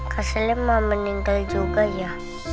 kak selim mau meninggal juga ya